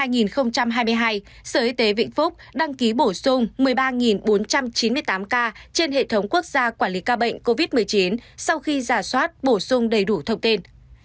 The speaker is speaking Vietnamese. năm hai nghìn hai mươi hai sở y tế vĩnh phúc đăng ký bổ sung một mươi ba bốn trăm chín mươi tám ca trên hệ thống quốc gia quản lý ca bệnh covid một mươi chín sau khi giả soát bổ sung đầy đủ thông tin